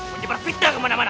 menyebar fitnah kemana mana